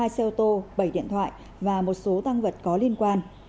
hai xe ô tô bảy điện thoại và một số tăng vật có liên quan